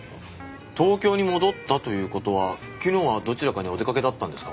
東京に戻ったという事は昨日はどちらかにお出かけだったんですか？